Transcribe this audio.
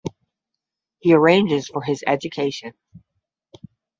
He arranges for his education.